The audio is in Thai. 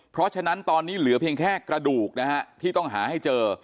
เพราะฉะนั้นตอนนี้เหลือเพียงแค่กระดูกนะฮะที่ต้องหาให้เจอ